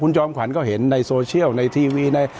จอมขวัญก็เห็นในโซเชียลในทีวีใน